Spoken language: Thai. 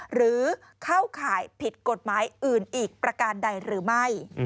หรือเข้าข่ายผิดกฎหมายอื่นอีกประการใดหรือไม่